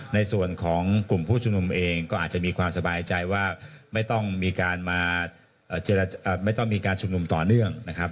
ในส่วนของกลุ่มผู้ชุมนุมเองก็อาจจะมีความสบายใจว่าไม่ต้องมีการมาไม่ต้องมีการชุมนุมต่อเนื่องนะครับ